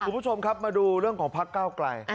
คุณผู้ชมครับมาดูเรื่องของพักเก้าไกล